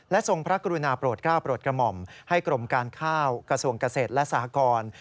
ทรงพระกรุณาโปรดก้าวโปรดกระหม่อมให้กรมการข้าวกระทรวงเกษตรและสหกร